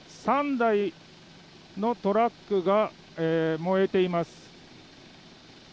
３台のトラックが燃えています。